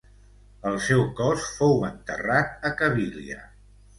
El seu cos fou enterrat a Cabília.